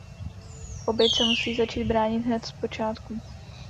Oběť se musí začít bránit hned zpočátku.